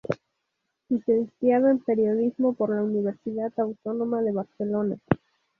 Licenciado en Periodismo por la Universidad Autónoma de Barcelona.